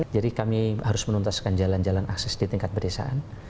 jadi kami harus menuntaskan jalan jalan akses di tingkat pedesaan